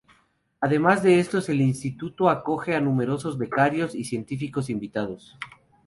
Además de estos, el instituto acoge a numerosos becarios y científicos invitados.